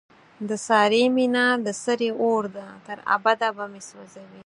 د سارې مینه د سرې اورده، تر ابده به مې سو ځوي.